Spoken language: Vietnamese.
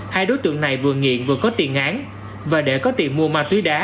hai đối tượng này vừa nghiện vừa có tiền án và để có tiền mua ma túy đá